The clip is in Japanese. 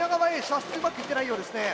射出うまくいってないようですね。